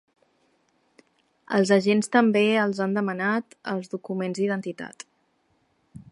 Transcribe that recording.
Els agents també els han demanat els documents d’identitat.